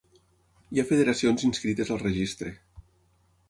Hi ha federacions inscrites al Registre.